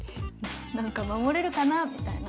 なんか守れるかなみたいな。